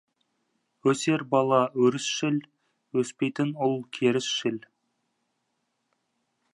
Өсер бала өрісшіл, өспейтін ұл керісшіл.